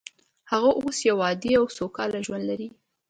هغه اوس یو عادي او سوکاله ژوند لري